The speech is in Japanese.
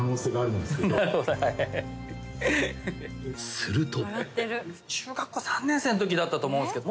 ［すると］